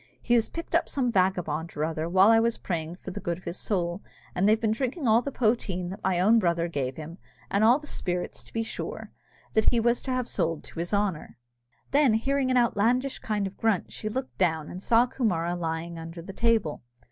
He has picked up some vagabond or other, while I was praying for the good of his soul, and they've been drinking all the poteen that my own brother gave him, and all the spirits, to be sure, that he was to have sold to his honour." Then hearing an outlandish kind of a grunt, she looked down, and saw Coomara lying under the table.